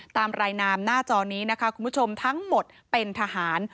ตามรายนามหน้าจอนี้นะคะคุณผู้ชมทั้งหมดเป็นทหาร